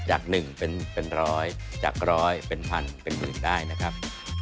จาก๑เป็นร้อยจากร้อยเป็นพันเป็นหมื่นได้นะครับ